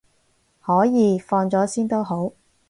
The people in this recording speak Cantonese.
可以，放咗先都好